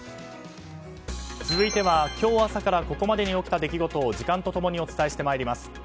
続いては今日朝からここまでに起きた出来事を時間と共にお伝えしてまいります。